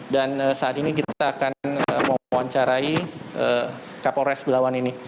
dan saat ini kita akan memuancarai kapolres belawan ini